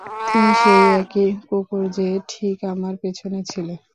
তুমি সেই একই কুকুর যে ঠিক আমার পেছনে ছিলে।